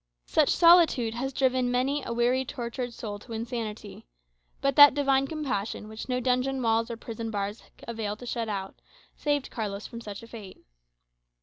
Such solitude has driven many a weary tortured soul to insanity. But that divine compassion which no dungeon walls or prison bars avail to shut out, saved Carlos from such a fate.